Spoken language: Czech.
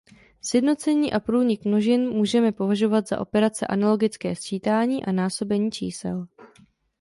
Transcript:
Sjednocení a průnik množin můžeme považovat za operace analogické sčítání a násobení čísel.